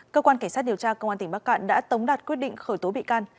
cơ quan cảnh sát điều tra công an tỉnh bắc cạn đã tống đạt quyết định khởi tố bị can